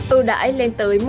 ưu đãi lên tới một trăm linh